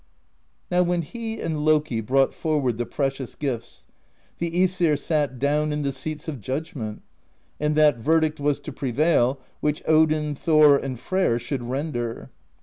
" Now when he and Loki brought forward the precious gifts, the iEsir sat down in the seats of judgment; and that verdict was to prevail which Odin, Thor, and Freyr should render.